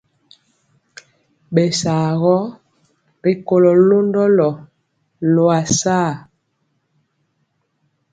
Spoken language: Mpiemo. Bɛsaagɔ ri kolo londɔlo loasare.